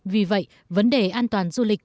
vì vậy vấn đề an toàn du lịch